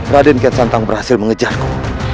raden ket santang berhasil mengejarku